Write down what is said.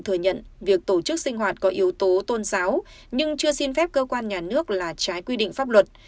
thừa nhận việc tổ chức sinh hoạt có yếu tố tôn giáo nhưng chưa xin phép cơ quan nhà nước là trái quy định pháp luật